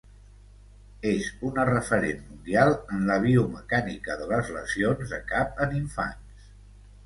És una referent mundial en la biomecànica de les lesions de cap en infants.